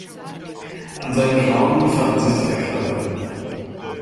An seinen Klauen befanden sich drei Krallen.